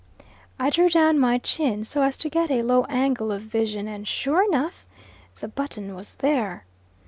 I drew down my chin so as to get a low angle of vision, and sure enough, the button was there.